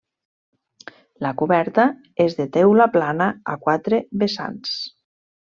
La coberta és de teula plana a quatre vessants.